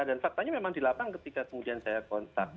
dan faktanya memang di lapangan ketika saya kontak